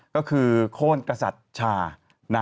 ก็คือโค้นกษัตริย์ชา